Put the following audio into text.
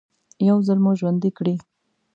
يو ځل مو ژوندي کړي.